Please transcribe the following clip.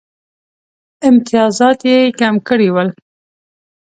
امتیازات یې کم کړي ول.